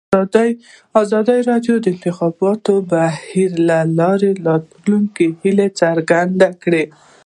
ازادي راډیو د د انتخاباتو بهیر په اړه د راتلونکي هیلې څرګندې کړې.